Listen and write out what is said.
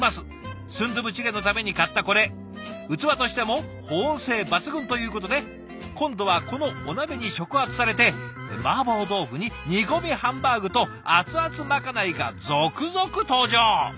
スンドゥブチゲのために買ったこれ器としても保温性抜群ということで今度はこのお鍋に触発されてマーボー豆腐に煮込みハンバーグと熱々まかないが続々登場！